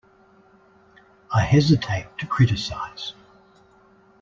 I hesitate to criticise.